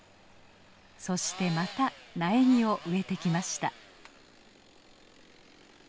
そしてまた苗木を植えてきました。